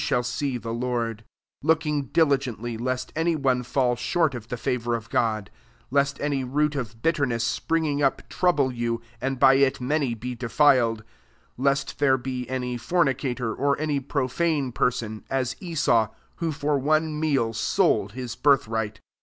sliaU see the Lord: 15 k>okfli9 diligently le^t any one fall short of the favour of IJod; Icstasy root of bitterness springing sp trouble yo», »id by it many be defiled; 16 lest there ke any fer nicator, or any profile persoo^ as Esau, who for one meal soM his birth right.